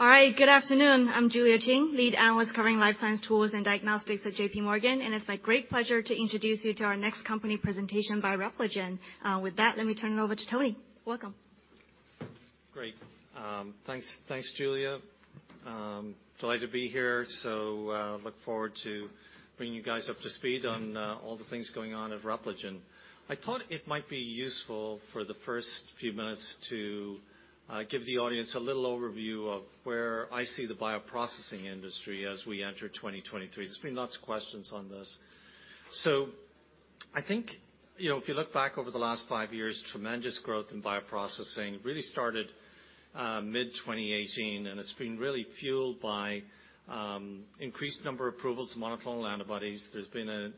All right, good afternoon. I'm Julia Qin, Lead Analyst covering Life Science Tools and Diagnostics at JPMorgan. It's my great pleasure to introduce you to our next company presentation by Repligen. With that, let me turn it over to Tony. Welcome. Great. Thanks, Julia. Delighted to be here. Look forward to bringing you guys up to speed on all the things going on at Repligen. I thought it might be useful for the first few minutes to give the audience a little overview of where I see the bioprocessing industry as we enter 2023. There's been lots of questions on this. I think, you know, if you look back over the last five years, tremendous growth in bioprocessing really started mid-2018, and it's been really fueled by increased number approvals, monoclonal antibodies. There's been a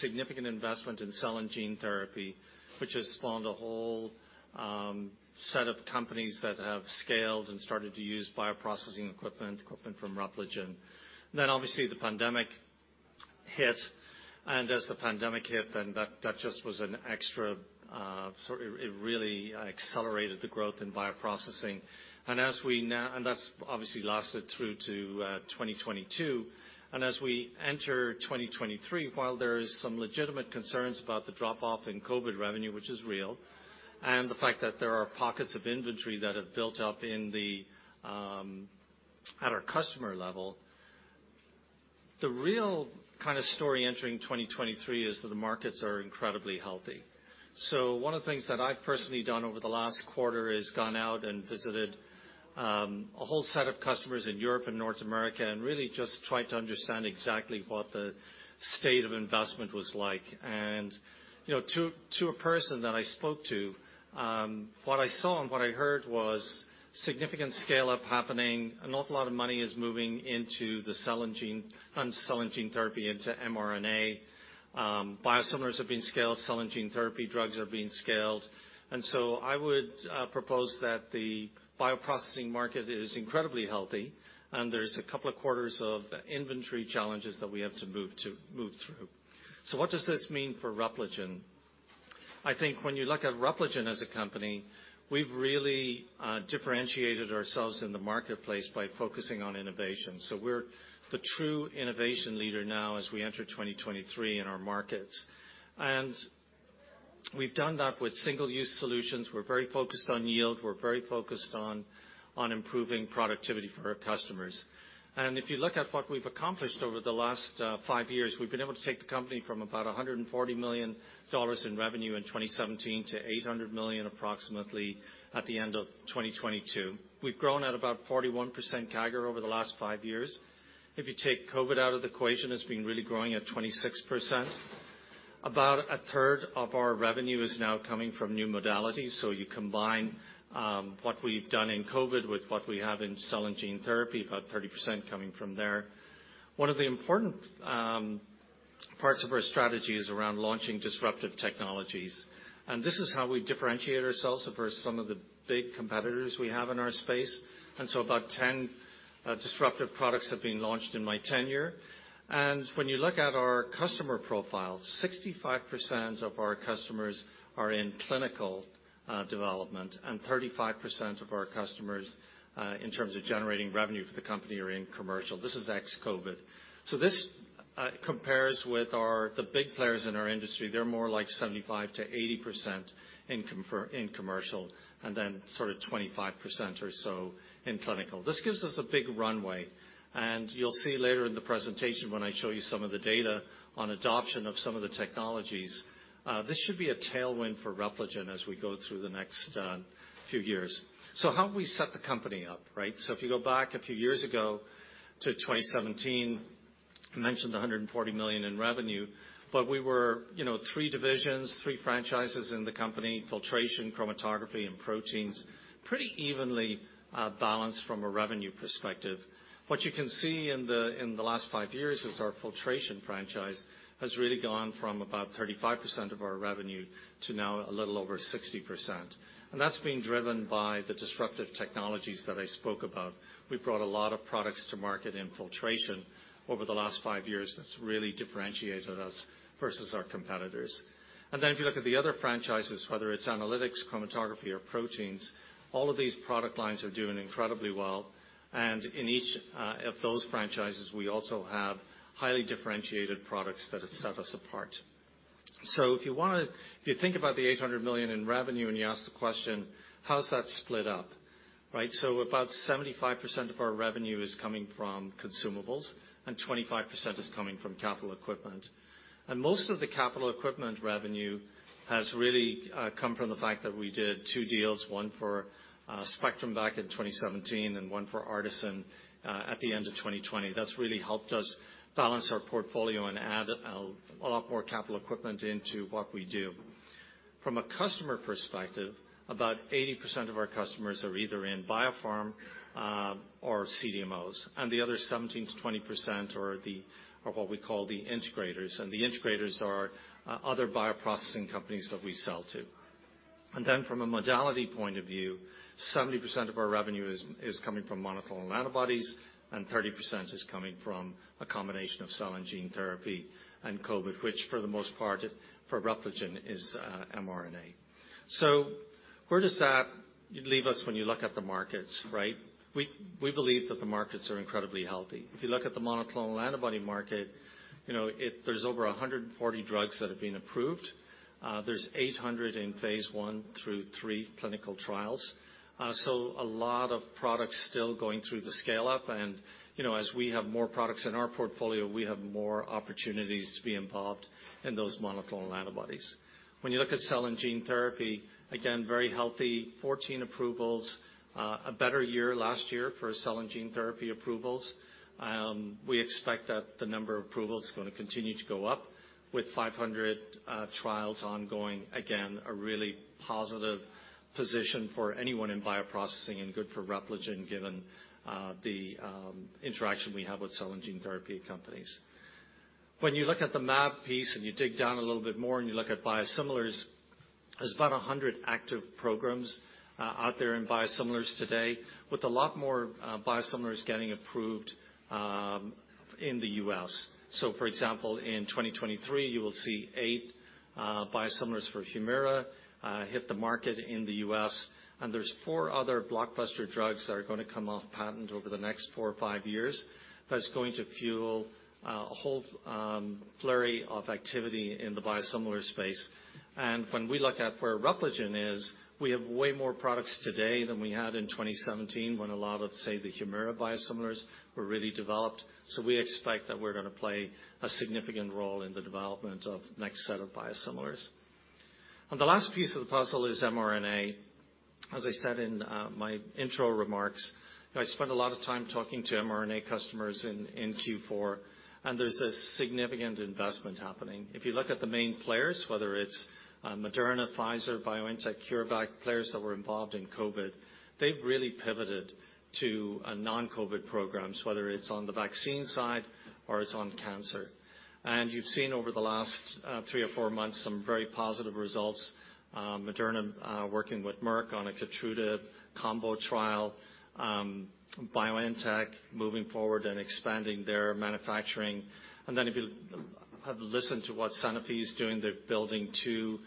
significant investment in cell and gene therapy, which has spawned a whole set of companies that have scaled and started to use bioprocessing equipment from Repligen. Obviously the pandemic hit. As the pandemic hit, then that just was an extra. It really accelerated the growth in bioprocessing. That's obviously lasted through to 2022. As we enter 2023, while there is some legitimate concerns about the drop-off in COVID revenue, which is real, and the fact that there are pockets of inventory that have built up in the at our customer level, the real kind of story entering 2023 is that the markets are incredibly healthy. One of the things that I've personally done over the last quarter is gone out and visited a whole set of customers in Europe and North America, and really just tried to understand exactly what the state of investment was like. You know, to a person that I spoke to, what I saw and what I heard was significant scale-up happening. An awful lot of money is moving into the cell and gene therapy into mRNA. Biosimilars have been scaled. Cell and gene therapy drugs are being scaled. I would propose that the bioprocessing market is incredibly healthy, and there's a couple of quarters of inventory challenges that we have to move through. What does this mean for Repligen? I think when you look at Repligen as a company, we've really differentiated ourselves in the marketplace by focusing on innovation. We're the true innovation leader now as we enter 2023 in our markets. We've done that with single-use solutions. We're very focused on yield. We're very focused on improving productivity for our customers. If you look at what we've accomplished over the last five years, we've been able to take the company from about $140 million in revenue in 2017 to $800 million approximately at the end of 2022. We've grown at about 41% CAGR over the last 5 years. If you take COVID out of the equation, it's been really growing at 26%. About a third of our revenue is now coming from new modalities. You combine what we've done in COVID with what we have in cell and gene therapy, about 30% coming from there. One of the important parts of our strategy is around launching disruptive technologies, and this is how we differentiate ourselves for some of the big competitors we have in our space. About 10 disruptive products have been launched in my tenure. When you look at our customer profile, 65% of our customers are in clinical development, and 35% of our customers in terms of generating revenue for the company are in commercial. This is ex-COVID. This compares with the big players in our industry. They're more like 75%-80% in commercial, and then sort of 25% or so in clinical. This gives us a big runway. You'll see later in the presentation when I show you some of the data on adoption of some of the technologies, this should be a tailwind for Repligen as we go through the next few years. How do we set the company up, right? If you go back a few years ago to 2017, I mentioned $140 million in revenue, but we were, you know, three divisions, three franchises in the company: filtration, chromatography, and proteins. Pretty evenly balanced from a revenue perspective. What you can see in the last five years is our filtration franchise has really gone from about 35% of our revenue to now a little over 60%. That's been driven by the disruptive technologies that I spoke about. We've brought a lot of products to market in filtration over the last five years that's really differentiated us versus our competitors. If you look at the other franchises, whether it's analytics, chromatography, or proteins, all of these product lines are doing incredibly well. In each of those franchises, we also have highly differentiated products that have set us apart. If you think about the $800 million in revenue and you ask the question: How's that split up, right? About 75% of our revenue is coming from consumables and 25% is coming from capital equipment. Most of the capital equipment revenue has really come from the fact that we did two deals, one for Spectrum back in 2017 and one for ARTeSYN at the end of 2020. That's really helped us balance our portfolio and add a lot more capital equipment into what we do. From a customer perspective, about 80% of our customers are either in biopharm or CDMOs, and the other 17%-20% are what we call the integrators. The integrators are other bioprocessing companies that we sell to. From a modality point of view, 70% of our revenue is coming from monoclonal antibodies and 30% is coming from a combination of cell and gene therapy and COVID, which for the most part, for Repligen is mRNA. Where does that leave us when you look at the markets, right? We believe that the markets are incredibly healthy. If you look at the monoclonal antibody market there's over 140 drugs that have been approved. There's 800 in phase I through III clinical trials. A lot of products still going through the scale up. You know, as we have more products in our portfolio, we have more opportunities to be involved in those monoclonal antibodies. When you look at cell and gene therapy, again, very healthy, 14 approvals, a better year last year for cell and gene therapy approvals. We expect that the number of approvals is gonna continue to go up with 500 trials ongoing. Again, a really positive position for anyone in bioprocessing and good for Repligen, given the interaction we have with cell and gene therapy companies. When you look at the mAb piece, and you dig down a little bit more, and you look at biosimilars, there's about 100 active programs out there in biosimilars today, with a lot more biosimilars getting approved in the U.S. For example, in 2023, you will see 8 biosimilars for Humira hit the market in the US, and there's 4 other blockbuster drugs that are gonna come off patent over the next 4 or 5 years. That's going to fuel a whole flurry of activity in the biosimilar space. When we look at where Repligen is, we have way more products today than we had in 2017 when a lot of, say, the Humira biosimilars were really developed. We expect that we're gonna play a significant role in the development of next set of biosimilars. The last piece of the puzzle is mRNA. As I said in my intro remarks, I spent a lot of time talking to mRNA customers in Q4, and there's a significant investment happening. If you look at the main players, whether it's Moderna, Pfizer, BioNTech, CureVac, players that were involved in COVID, they've really pivoted to non-COVID programs, whether it's on the vaccine side or it's on cancer. You've seen over the last three or four months, some very positive results, Moderna working with Merck on a Keytruda combo trial, BioNTech moving forward and expanding their manufacturing. If you have listened to what Sanofi is doing, they're building two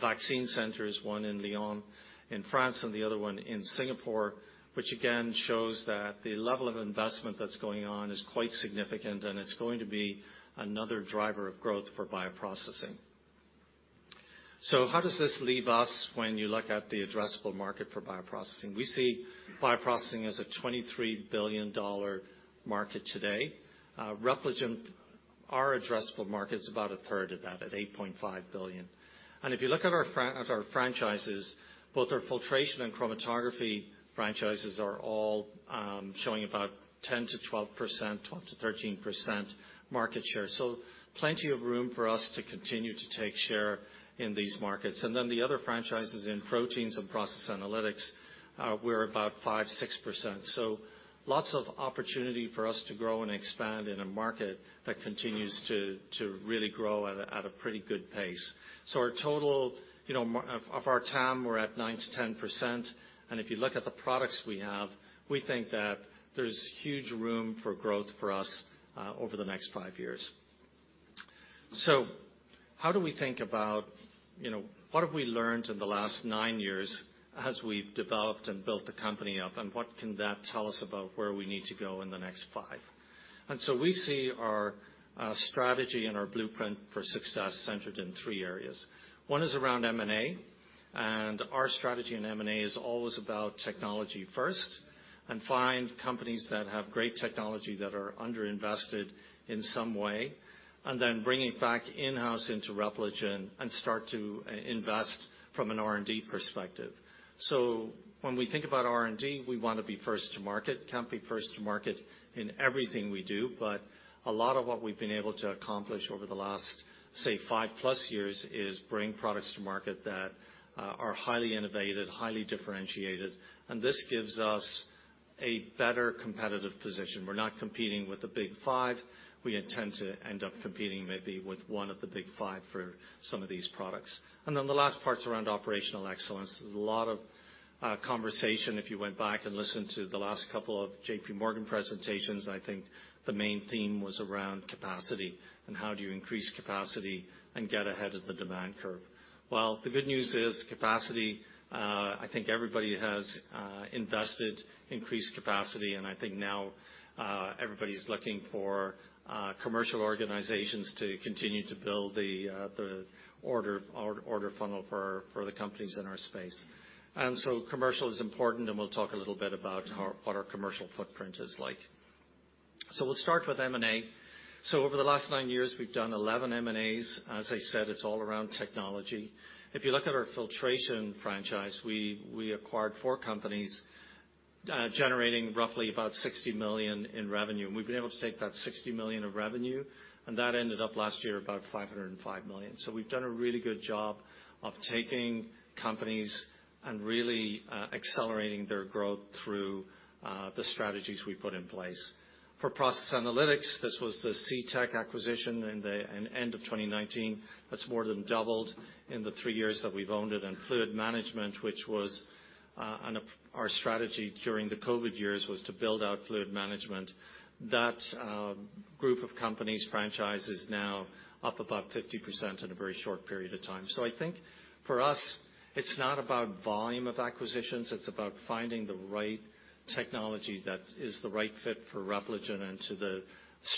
vaccine centers, one in Lyon in France and the other one in Singapore, which again shows that the level of investment that's going on is quite significant, and it's going to be another driver of growth for bioprocessing. How does this leave us when you look at the addressable market for bioprocessing? We see bioprocessing as a $23 billion market today. Repligen, our addressable market is about a third of that, at $8.5 billion. If you look at our at our franchises, both our filtration and chromatography franchises are all showing about 10%-12%, 12%-13% market share. Plenty of room for us to continue to take share in these markets. Then the other franchises in proteins and process analytics, we're about 5%-6%. Lots of opportunity for us to grow and expand in a market that continues to really grow at a pretty good pace. Our total, you know, of our TAM, we're at 9%-10%. If you look at the products we have, we think that there's huge room for growth for us over the next five years. How do we think about, you know, what have we learned in the last nine years as we've developed and built the company up? What can that tell us about where we need to go in the next five? We see our strategy and our blueprint for success centered in three areas. One is around M&A, and our strategy in M&A is always about technology first and find companies that have great technology that are underinvested in some way, and then bring it back in-house into Repligen and start to invest from an R&D perspective. When we think about R&D, we wanna be first to market. Can't be first to market in everything we do, but a lot of what we've been able to accomplish over the last, say, 5+ years is bring products to market that are highly innovative, highly differentiated, and this gives us a better competitive position. We're not competing with the Big Five. We intend to end up competing maybe with one of the Big Five for some of these products. The last part's around operational excellence. There's a lot of conversation, if you went back and listened to the last couple of J.P. Morgan presentations, I think the main theme was around capacity and how do you increase capacity and get ahead of the demand curve. Well, the good news is capacity, I think everybody has invested increased capacity, and I think now everybody's looking for commercial organizations to continue to build the order funnel for the companies in our space. Commercial is important, and we'll talk a little bit about what our commercial footprint is like. We'll start with M&A. Over the last 9 years, we've done 11 M&As. As I said, it's all around technology. If you look at our filtration franchise, we acquired 4 companies, generating roughly about $60 million in revenue. We've been able to take that $60 million of revenue, and that ended up last year about $505 million. We've done a really good job of taking companies and really accelerating their growth through the strategies we put in place. For process analytics, this was the C Tech acquisition in the end of 2019. That's more than doubled in the three years that we've owned it. Fluid management, and our strategy during the COVID years was to build out fluid management. That group of companies franchise is now up about 50% in a very short period of time. I think for us, it's not about volume of acquisitions, it's about finding the right technology that is the right fit for Repligen and to the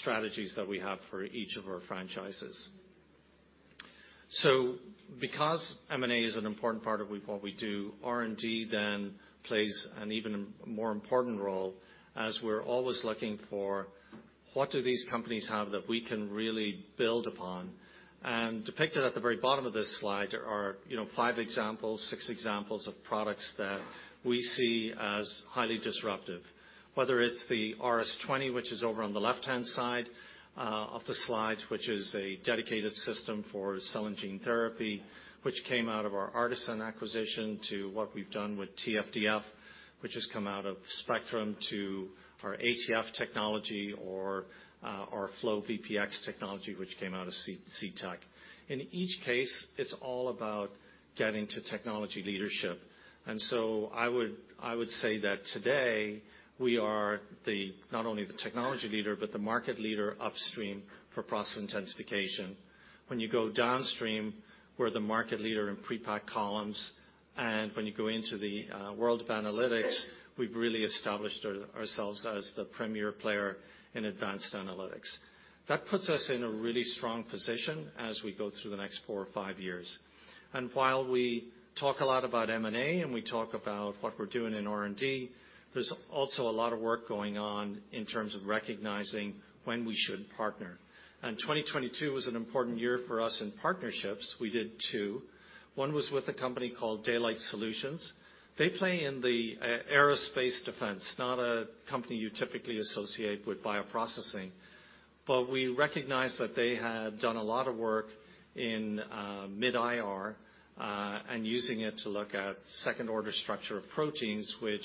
strategies that we have for each of our franchises. Because M&A is an important part of what we do, R&D then plays an even more important role as we're always looking for what do these companies have that we can really build upon. Depicted at the very bottom of this slide, there are, you know, five examples, six examples of products that we see as highly disruptive. Whether it's the RS20, which is over on the left-hand side of the slide, which is a dedicated system for cell and gene therapy, which came out of our ARTeSYN acquisition, to what we've done with TFDF, which has come out of Spectrum, to our ATF technology or our FlowVPX technology, which came out of CTech. In each case, it's all about getting to technology leadership. I would say that today we are the not only the technology leader, but the market leader upstream for process intensification. When you go downstream, we're the market leader in pre-packed columns, and when you go into the world of analytics, we've really established ourselves as the premier player in advanced analytics. That puts us in a really strong position as we go through the next four or five years. While we talk a lot about M&A and we talk about what we're doing in R&D, there's also a lot of work going on in terms of recognizing when we should partner. 2022 was an important year for us in partnerships. We did two. One was with a company called Daylight Solutions. They play in the aerospace defense, not a company you typically associate with bioprocessing. We recognized that they had done a lot of work in mid-IR and using it to look at second-order structure of proteins, which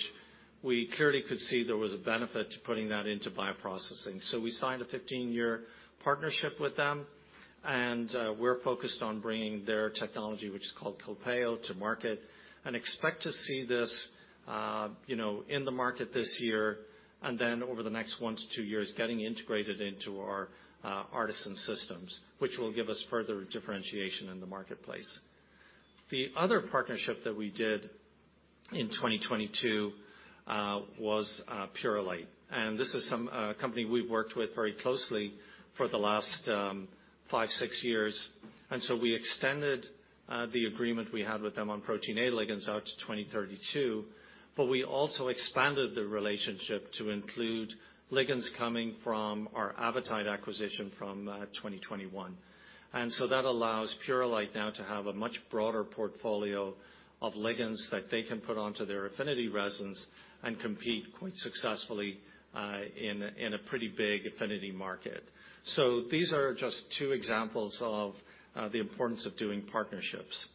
we clearly could see there was a benefit to putting that into bioprocessing. We signed a 15-year partnership with them, and we're focused on bringing their technology, which is called Optio, to market, and expect to see this, you know, in the market this year, and then over the next 1-2 years, getting integrated into our ARTeSYN systems, which will give us further differentiation in the marketplace. The other partnership that we did in 2022, was Purolite, and this is some company we've worked with very closely for the last five, six years. We extended the agreement we had with them on Protein A ligands out to 2032, but we also expanded the relationship to include ligands coming from our Avitide acquisition from 2021. That allows Purolite now to have a much broader portfolio of ligands that they can put onto their affinity resins and compete quite successfully in a pretty big affinity market. These are just two examples of the importance of doing partnerships.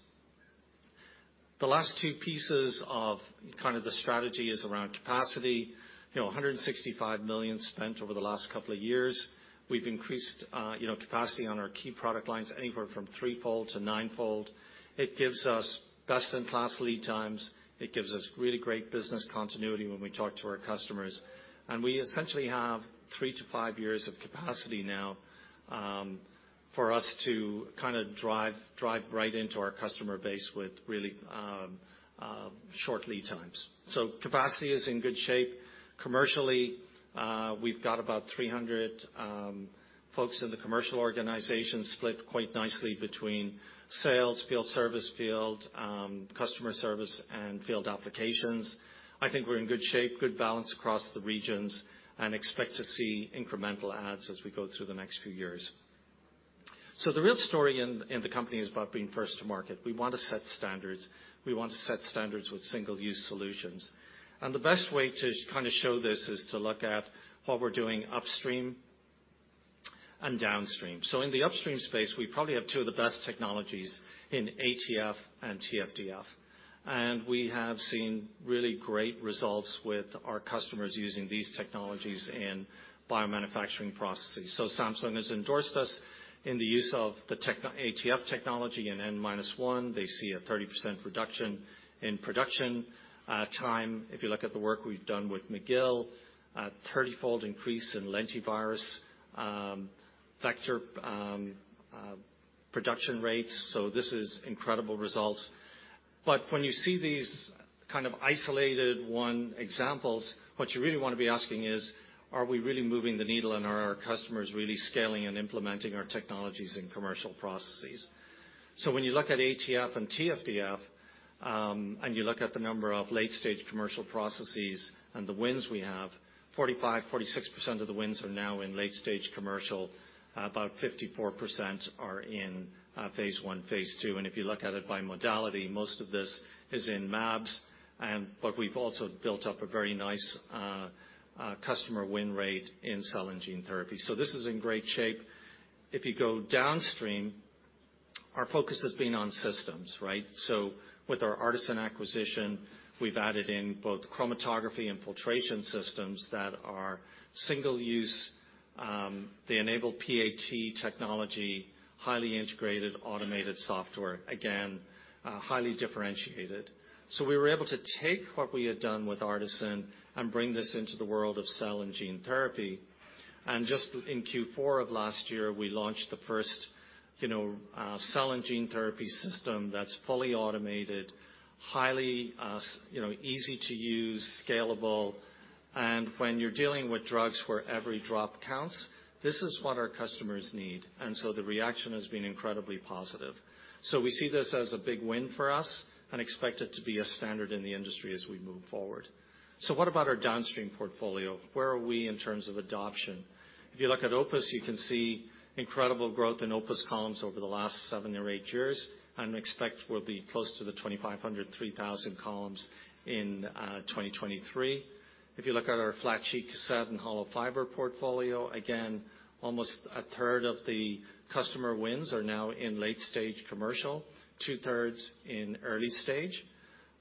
The last two pieces of the strategy is around capacity. $165 million spent over the last couple of years. We've increased, you know, capacity on our key product lines anywhere from 3-fold to 9-fold. It gives us best-in-class lead times. It gives us really great business continuity when we talk to our customers. We essentially have 3-5 years of capacity now, for us to kind of drive right into our customer base with really short lead times. Capacity is in good shape. Commercially, we've got about 300 folks in the commercial organization split quite nicely between sales, field service field, customer service, and field applications. I think we're in good shape, good balance across the regions, and expect to see incremental adds as we go through the next few years. The real story in the company is about being first to market. We want to set standards. We want to set standards with single-use solutions. The best way to kind of show this is to look at what we're doing upstream and downstream. In the upstream space, we probably have two of the best technologies in ATF and TFDF. We have seen really great results with our customers using these technologies in biomanufacturing processes. Samsung has endorsed us in the use of ATF technology in N-1. They see a 30% reduction in production time. If you look at the work we've done with McGill, a 30-fold increase in lentivirus vector production rates. This is incredible results. When you see these kind of isolated one examples, what you really wanna be asking is, are we really moving the needle and are our customers really scaling and implementing our technologies in commercial processes? When you look at ATF and TFDF, and you look at the number of late-stage commercial processes and the wins we have, 45%-46% of the wins are now in late-stage commercial. About 54% are in phase I, phase II. If you look at it by modality, most of this is in mAbs and but we've also built up a very nice customer win rate in cell and gene therapy. This is in great shape. If you go downstream. Our focus has been on systems, right? With our ARTeSYN acquisition, we've added in both chromatography and filtration systems that are single-use, they enable PAT technology, highly integrated, automated software, again, highly differentiated. We were able to take what we had done with ARTeSYN and bring this into the world of cell and gene therapy. Just in Q4 of last year, we launched the first, you know, cell and gene therapy system that's fully automated, highly, you know, easy to use, scalable. When you're dealing with drugs where every drop counts, this is what our customers need. The reaction has been incredibly positive. We see this as a big win for us and expect it to be a standard in the industry as we move forward. What about our downstream portfolio? Where are we in terms of adoption? If you look at OPUS, you can see incredible growth in OPUS columns over the last 7 or 8 years, and expect we'll be close to the 2,500, 3,000 columns in 2023. If you look at our Flat Sheet Cassette and hollow fiber portfolio, again, almost a third of the customer wins are now in late-stage commercial, two-thirds in early -stage.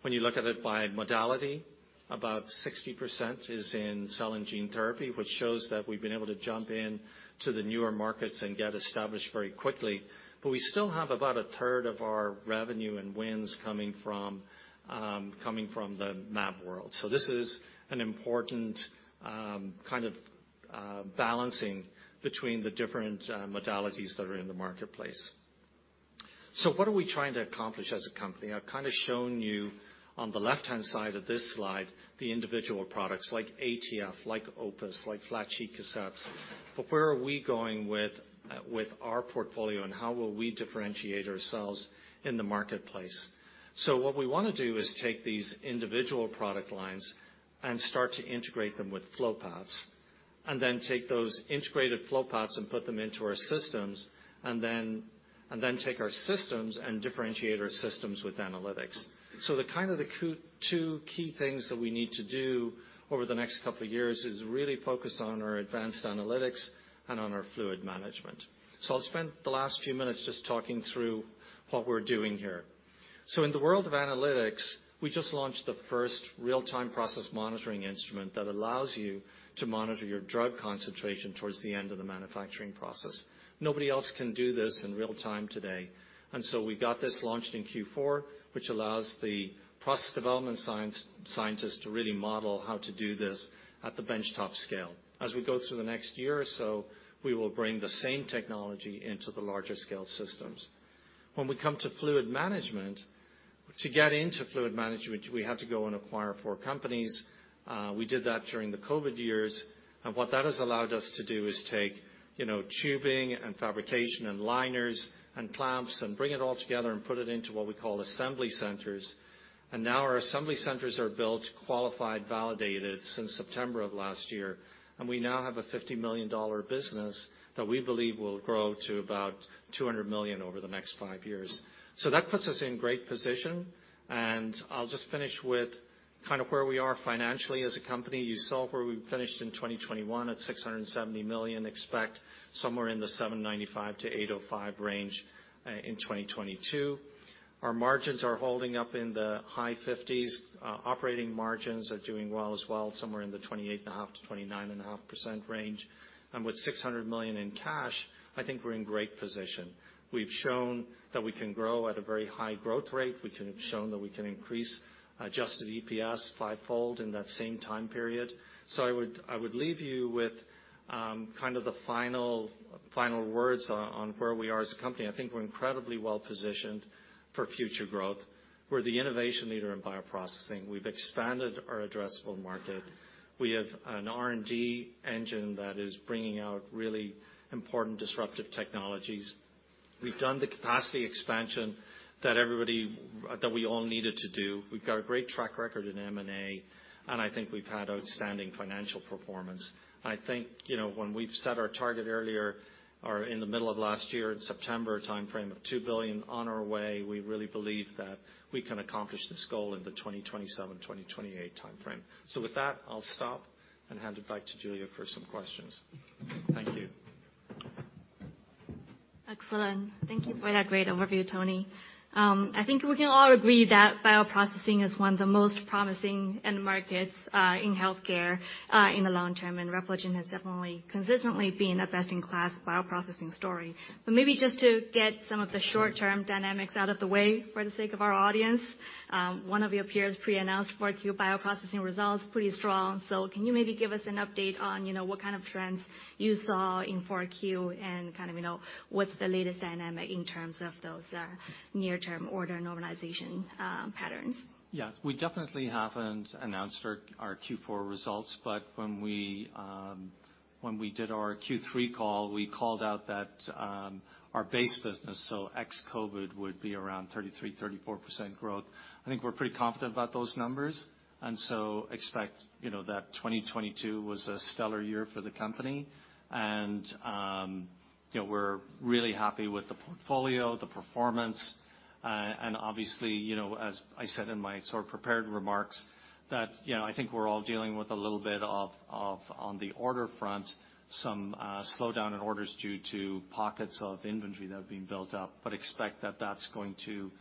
When you look at it by modality, about 60% is in cell and gene therapy, which shows that we've been able to jump in to the newer markets and get established very quickly. We still have about 1/3 of our revenue and wins coming from coming from the mAb world. This is an important kind of balancing between the different modalities that are in the marketplace. What are we trying to accomplish as a company? I've kind of shown you on the left-hand side of this slide, the individual products like ATF, like OPUS, like Flat Sheet Cassettes. Where are we going with our portfolio, and how will we differentiate ourselves in the marketplace? What we wanna do is take these individual product lines and start to integrate them with flow paths, and then take those integrated flow paths and put them into our systems, and then take our systems and differentiate our systems with analytics. The kind of two key things that we need to do over the next couple of years is really focus on our advanced analytics and on our fluid management. I'll spend the last few minutes just talking through what we're doing here. In the world of analytics, we just launched the first real-time process monitoring instrument that allows you to monitor your drug concentration towards the end of the manufacturing process. Nobody else can do this in real-time today. We got this launched in Q4, which allows the process development scientists to really model how to do this at the bench top scale. As we go through the next year or so, we will bring the same technology into the larger-scale systems. When we come to fluid management, to get into fluid management, we had to go and acquire four companies. We did that during the COVID years, and what that has allowed us to do is take tubing and fabrication and liners and clamps, and bring it all together and put it into what we call assembly centers. Now our assembly centers are built, qualified, validated since September of last year. We now have a $50 million business that we believe will grow to about $200 million over the next 5 years. That puts us in great position, and I'll just finish with kind of where we are financially as a company. You saw where we finished in 2021 at $670 million, expect somewhere in the $795 million to $805 million range in 2022. Our margins are holding up in the high 50%. Operating margins are doing well as well, somewhere in the 28.5%-29.5% range. With $600 million in cash, I think we're in great position. We've shown that we can grow at a very high growth rate. We have shown that we can increase adjusted EPS 5-fold in that same time period. I would leave you with kind of the final words on where we are as a company. I think we're incredibly well-positioned for future growth. We're the innovation leader in bioprocessing. We've expanded our addressable market. We have an R&D engine that is bringing out really important disruptive technologies. We've done the capacity expansion that everybody that we all needed to do. We've got a great track record in M&A, and I think we've had outstanding financial performance. When we've set our target earlier or in the middle of last year, in September timeframe of $2 billion on our way, we really believe that we can accomplish this goal in the 2027, 2028 timeframe. With that, I'll stop and hand it back to Julia for some questions. Thank you. Excellent. Thank you for that great overview, Tony. I think we can all agree that bioprocessing is one of the most promising end markets in healthcare in the long term. Repligen has definitely consistently been a best-in-class bioprocessing story. Maybe just to get some of the short-term dynamics out of the way for the sake of our audience, one of your peers pre-announced 4Q bioprocessing results, pretty strong. Can you maybe give us an update on, you know, what kind of trends you saw in 4Q and kind of, you know, what's the latest dynamic in terms of those near-term order normalization patterns? We definitely haven't announced our Q4 results, but when we did our Q3 call, we called out that our base business, so ex-COVID, would be around 33%-34% growth. I think we're pretty confident about those numbers, and so expect that 2022 was a stellar year for the company. We're really happy with the portfolio, the performance. Obviously, as I said in my prepared remarks, that we're all dealing with a little bit of, on the order front, some slowdown in orders due to pockets of inventory that have been built up, but expect that that's going to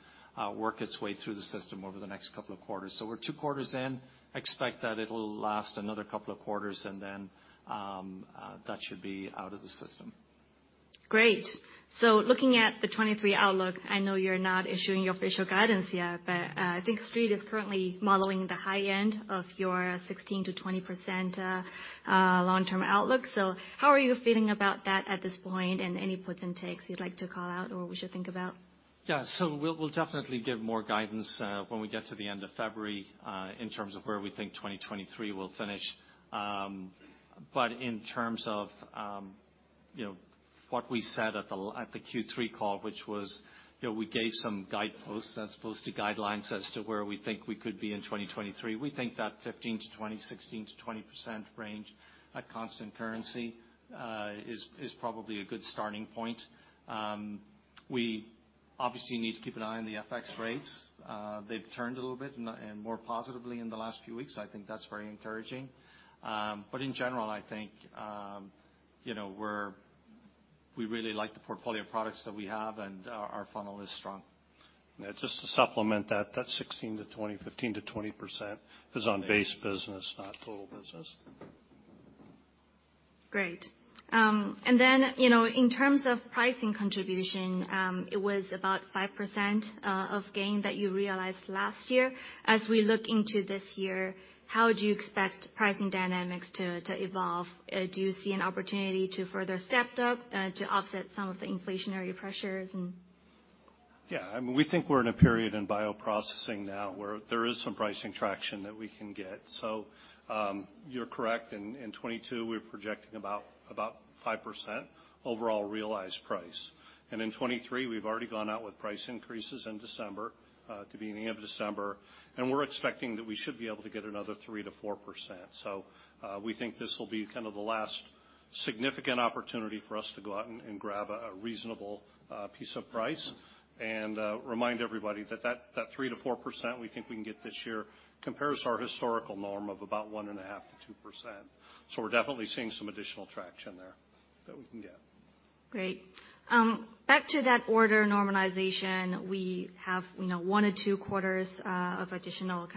work its way through the system over the next couple of quarters. We're two quarters in. Expect that it'll last another couple of quarters and then, that should be out of the system. Great. Looking at the 2023 outlook, I know you're not issuing your official guidance yet, but I think Street is currently modeling the high end of your 16%-20% long-term outlook. How are you feeling about that at this point, and any puts and takes you'd like to call out or we should think about? We'll definitely give more guidance when we get to the end of February, in terms of where we think 2023 will finish. In terms of, you know, what we said at the Q3 Call, which was we gave some guideposts as opposed to guidelines as to where we think we could be in 2023. We think that 15%-20%, 16-20% range at constant currency is probably a good starting point. We obviously need to keep an eye on the FX rates. They've turned a little bit and more positively in the last few weeks. I think that's very encouraging. In general, we really like the portfolio of products that we have, and our funnel is strong. Just to supplement that 16%-20%, 15%-20% is on base business, not total business. Great. You know, in terms of pricing contribution, it was about 5% of gain that you realized last year. As we look into this year, how do you expect pricing dynamics to evolve? Do you see an opportunity to further step up to offset some of the inflationary pressures and? We think we're in a period in bioprocessing now where there is some pricing traction that we can get. You're correct. In 2022, we're projecting about 5% overall realized price. In 2023, we've already gone out with price increases in December, at the beginning of December, and we're expecting that we should be able to get another 3%-4%. We think this will be kind of the last significant opportunity for us to go out and grab a reasonable piece of price. Remind everybody that 3%-4% we think we can get this year compares to our historical norm of about 1.5%-2%. We're definitely seeing some additional traction there that we can get. Great. back to that order normalization, we have, you know, one or two quarters, of additional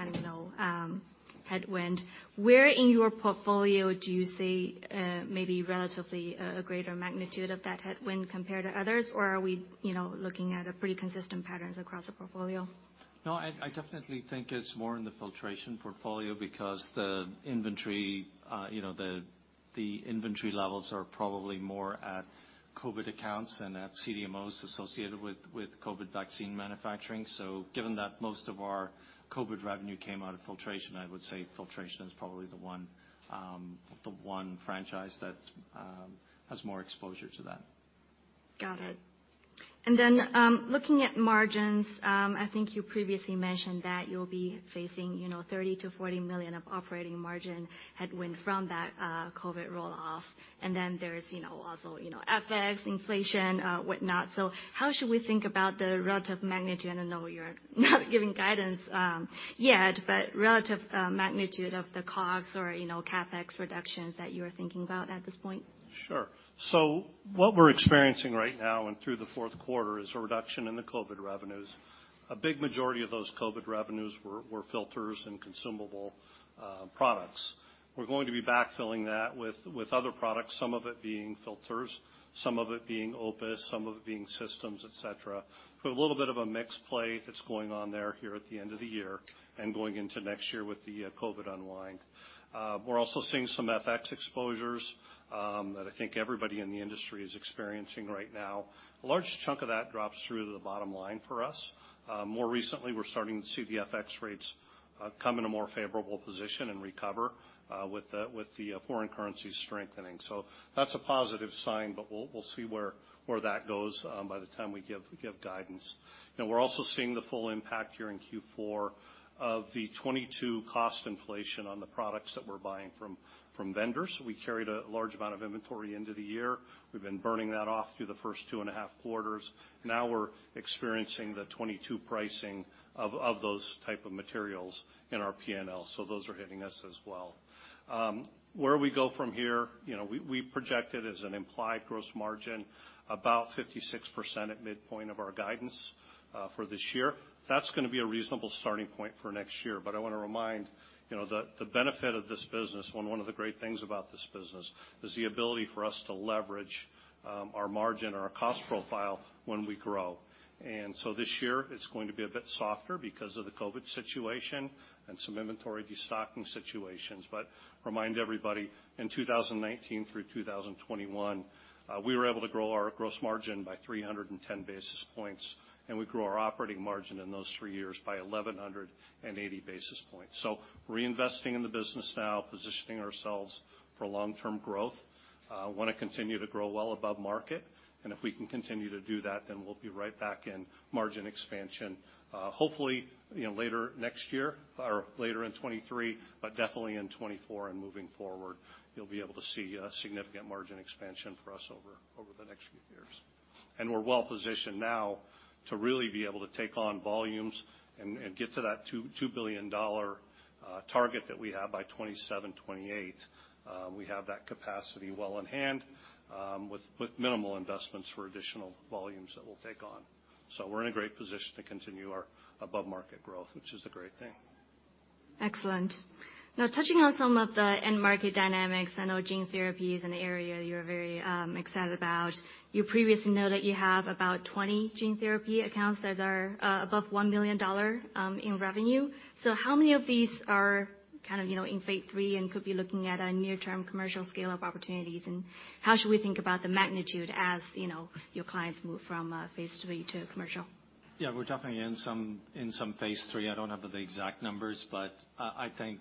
headwind. Where in your portfolio do you see, maybe relatively a greater magnitude of that headwind compared to others, or are we looking at a pretty consistent patterns across the portfolio? I definitely think it's more in the filtration portfolio because the inventory, you know, the inventory levels are probably more at COVID accounts and at CDMOs associated with COVID vaccine manufacturing. Given that most of our COVID revenue came out of filtration, I would say filtration is probably the one franchise that's has more exposure to that. Got it. Looking at margins, I think you previously mentioned that you'll be facing $30 million to $40 million of operating margin headwind from that COVID roll-off. There's also FX, inflation, whatnot. How should we think about the relative magnitude? I know you're not giving guidance yet, but relative magnitude of the costs or, you know, CapEx reductions that you are thinking about at this point. Sure. What we're experiencing right now and through the fourth quarter is a reduction in the COVID revenues. A big majority of those COVID revenues were filters and consumable products. We're going to be backfilling that with other products, some of it being filters, some of it being OPUS, some of it being systems, et cetera. A little bit of a mix play that's going on there here at the end of the year and going into next year with the COVID unwind. We're also seeing some FX exposures that I think everybody in the industry is experiencing right now. A large chunk of that drops through to the bottom line for us. More recently, we're starting to see the FX rates come in a more favorable position and recover with the foreign currency strengthening. That's a positive sign, but we'll see where that goes by the time we give guidance. You know, we're also seeing the full impact here in Q4 of the 2022 cost inflation on the products that we're buying from vendors. We carried a large amount of inventory into the year. We've been burning that off through the first 2.5 quarters. We're experiencing the 2022 pricing of those type of materials in our P&L. Those are hitting us as well. Where we go from here, you know, we projected as an implied gross margin about 56% at midpoint of our guidance for this year. That's gonna be a reasonable starting point for next year. I wanna remind, you know, the benefit of this business, when one of the great things about this business is the ability for us to leverage our margin or our cost profile when we grow. This year it's going to be a bit softer because of the COVID situation and some inventory destocking situations. Remind everybody, in 2019 through 2021, we were able to grow our gross margin by 310 basis points, and we grew our operating margin in those three years by 1,180 basis points. Reinvesting in the business now, positioning ourselves for long-term growth. Wanna continue to grow well above market. If we can continue to do that, then we'll be right back in margin expansion, hopefully, you know, later next year or later in 2023, but definitely in 2024 and moving forward, you'll be able to see a significant margin expansion for us over the next few years. We're well-positioned now to really be able to take on volumes and get to that $2 billion target that we have by 2027, 2028. We have that capacity well in hand with minimal investments for additional volumes that we'll take on. We're in a great position to continue our above-market growth, which is a great thing. Excellent. Now touching on some of the end market dynamics, I know gene therapy is an area you're very excited about. You previously know that you have about 20 gene therapy accounts that are above $1 million in revenue. How many of these are kind of, you know, in phase III and could be looking at a near-term commercial scale of opportunities? How should we think about the magnitude as your clients move from phase III to commercial? We're definitely in some phase III. I don't have the exact numbers, but I think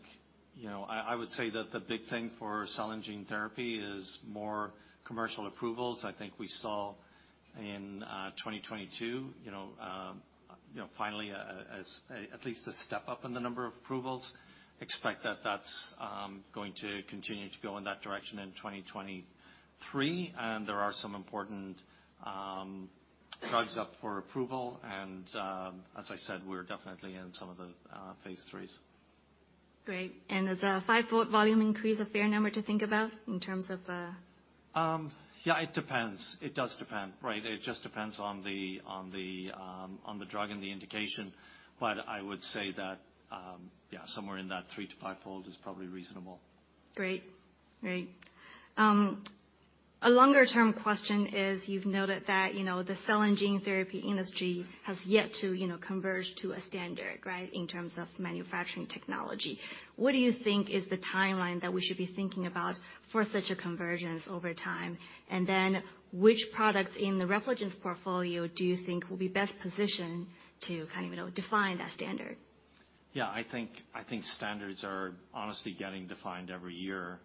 I would say that the big thing for cell and gene therapy is more commercial approvals. I think we saw in 2022 finally a at least a step up in the number of approvals. Expect that that's going to continue to go in that direction in 2023. There are some important drugs up for approval. As I said, we're definitely in some of the phase IIIs. Great. Is a five-fold volume increase a fair number to think about in terms of? It depends. It does depend, right? It just depends on the drug and the indication. I would say that somewhere in that 3-5-fold is probably reasonable. Great. A longer-term question is you've noted that the cell and gene therapy industry has yet to converge to a standard, right, in terms of manufacturing technology. What do you think is the timeline that we should be thinking about for such a convergence over time? Which products in the Repligen's portfolio do you think will be best positioned to define that standard? Standards are honestly getting defined every year.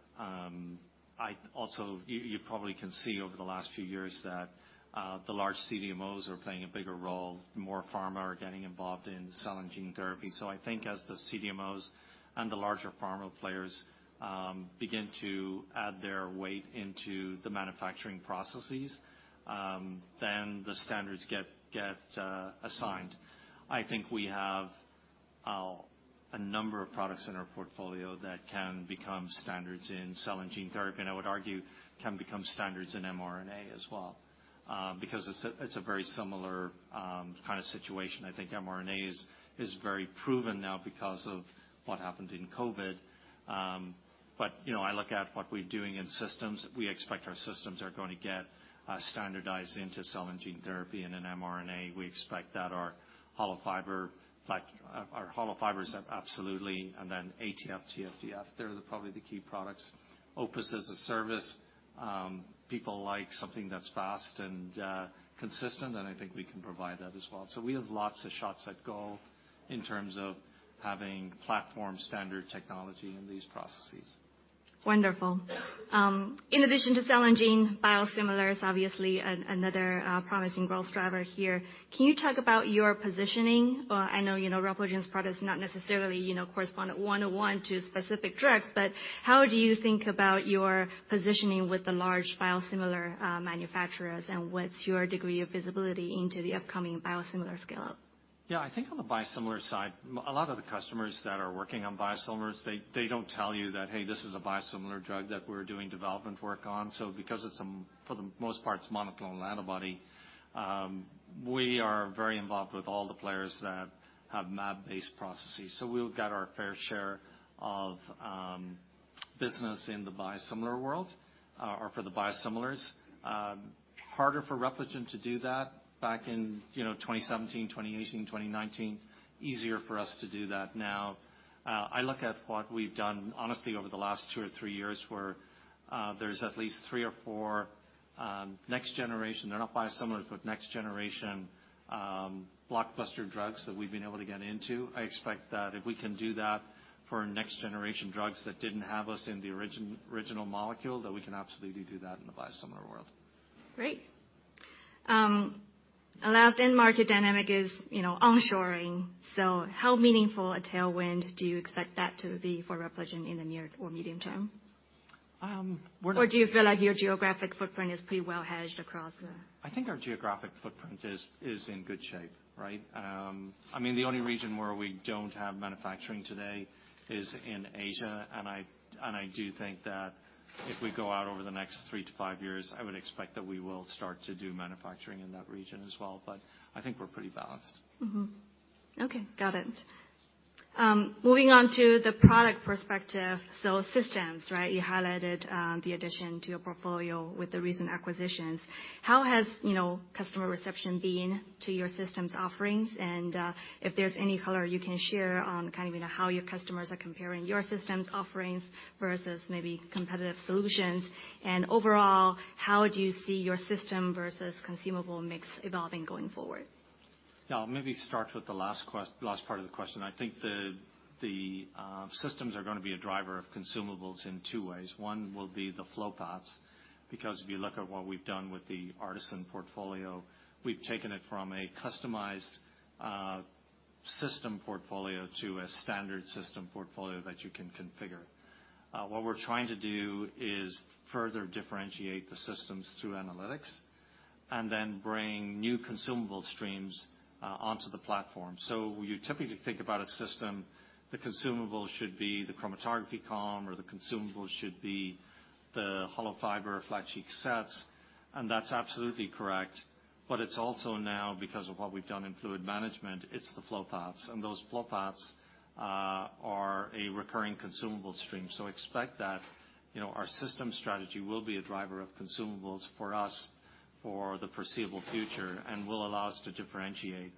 You probably can see over the last few years that the large CDMOs are playing a bigger role. More pharma are getting involved in cell and gene therapy. I think as the CDMOs and the larger pharma players begin to add their weight into the manufacturing processes, then the standards get assigned. I think we have a number of products in our portfolio that can become standards in cell and gene therapy, and I would argue can become standards in mRNA as well, because it's a very similar kind of situation. I think mRNA is very proven now because of what happened in COVID. I look at what we're doing in systems. We expect our systems are going to get standardized into cell and gene therapy and in mRNA. We expect that our hollow fiber is absolutely, and then ATF, TFDF, they're the probably the key products. OPUS as a service, people like something that's fast and consistent, and I think we can provide that as well. We have lots of shots at goal in terms of having platform standard technology in these processes. Wonderful. In addition to cell and gene, biosimilars obviously, another promising growth driver here. Can you talk about your positioning? I know, you know, Repligen's products not necessarily, you know, correspond at one-to-one to specific drugs, but how do you think about your positioning with the large biosimilar manufacturers, and what's your degree of visibility into the upcoming biosimilar scale-up? On the biosimilar side, a lot of the customers that are working on biosimilars, they don't tell you that, "Hey, this is a biosimilar drug that we're doing development work on." Because for the most part, it's monoclonal antibody, we are very involved with all the players that have mAb-based processes. We've got our fair share of business in the biosimilar world, or for the biosimilars. Harder for Repligen to do that back in 2017, 2018, 2019. Easier for us to do that now. I look at what we've done honestly over the last two or three years, where there's at least 3 or 4 next-generation, they're not biosimilars, but next-generation, blockbuster drugs that we've been able to get into. I expect that if we can do that for next-generation drugs that didn't have us in the original molecule, that we can absolutely do that in the biosimilar world. Great. Our last end market dynamic is, you know, onshoring. How meaningful a tailwind do you expect that to be for Repligen in the near or medium term? Do you feel like your geographic footprint is pretty well hedged across the? I think our geographic footprint is in good shape, right? I mean, the only region where we don't have manufacturing today is in Asia, and I do think that if we go out over the next three to five years, I would expect that we will start to do manufacturing in that region as well, but I think we're pretty balanced. Okay, got it. Moving on to the product perspective. Systems, right? You highlighted, the addition to your portfolio with the recent acquisitions. How has, you know, customer reception been to your systems offerings? If there's any color you can share on kind of, you know, how your customers are comparing your systems offerings versus maybe competitive solutions. Overall, how do you see your system versus consumable mix evolving going forward? Yeah. I'll maybe start with the last part of the question. I think the systems are gonna be a driver of consumables in two ways. One will be the flow paths, because if you look at what we've done with the ARTeSYN portfolio, we've taken it from a customized system portfolio to a standard system portfolio that you can configure. What we're trying to do is further differentiate the systems through analytics and then bring new consumable streams onto the platform. When you typically think about a system, the consumable should be the chromatography column, or the consumable should be the hollow fiber Flat Sheet sets, and that's absolutely correct. It's also now, because of what we've done in fluid management, it's the flow paths, and those flow paths are a recurring consumable stream. Expect that, you know, our system strategy will be a driver of consumables for us for the foreseeable future and will allow us to differentiate.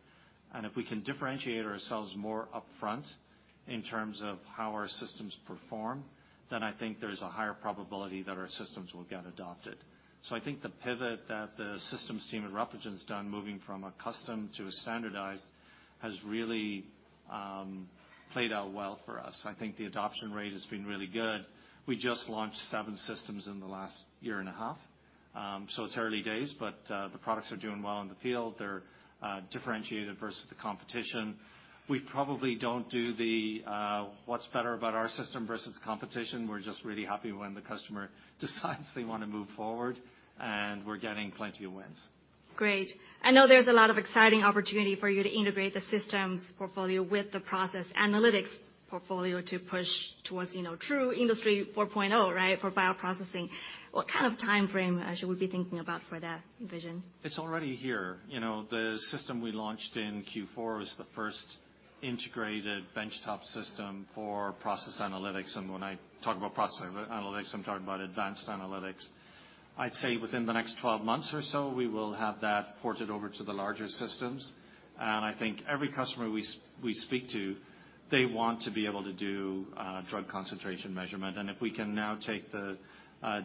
If we can differentiate ourselves more upfront in terms of how our systems perform, then I think there's a higher probability that our systems will get adopted. I think the pivot that the systems team at Repligen's done, moving from a custom to a standardized, has really played out well for us. I think the adoption rate has been really good. We just launched seven systems in the last year and a half. It's early days, but the products are doing well in the field. They're differentiated versus the competition. We probably don't do the what's better about our system versus competition. We're just really happy when the customer decides they wanna move forward. We're getting plenty of wins. Great. I know there's a lot of exciting opportunity for you to integrate the systems portfolio with the process analytics portfolio to push towards, you know, true Industry 4.0, right, for bioprocessing. What kind of timeframe should we be thinking about for that vision? It's already here. You know, the system we launched in Q4 is the first integrated benchtop system for process analytics. When I talk about process analytics, I'm talking about advanced analytics. I'd say within the next 12 months or so, we will have that ported over to the larger systems. I think every customer we speak to, they want to be able to do drug concentration measurement. If we can now take the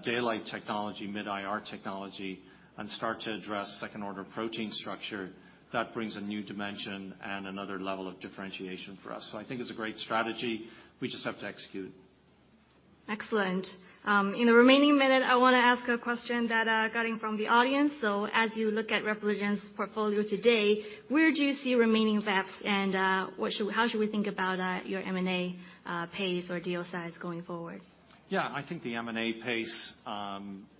Daylight technology, mid-IR technology, and start to address second-order protein structure, that brings a new dimension and another level of differentiation for us. I think it's a great strategy. We just have to execute. Excellent. In the remaining minute, I wanna ask a question that got in from the audience. As you look at Repligen's portfolio today, where do you see remaining gaps, and how should we think about your M&A pace or deal size going forward? I think the M&A pace,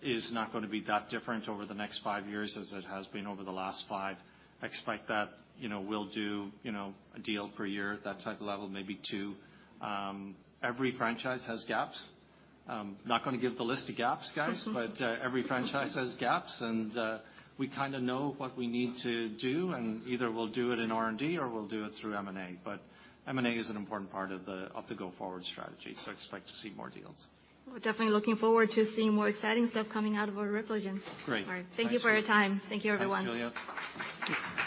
is not gonna be that different over the next five years as it has been over the last five. Expect that we'll do, you know, one deal per year, that type of level, maybe two. Every franchise has gaps. Not gonna give the list of gaps, guys. Every franchise has gaps, and we know what we need to do, and either we'll do it in R&D or we'll do it through M&A. M&A is an important part of the, of the go-forward strategy, expect to see more deals. We're definitely looking forward to seeing more exciting stuff coming out of Repligen. Great. All right. Thank you for your time. Thank you, everyone. Thanks, Julia.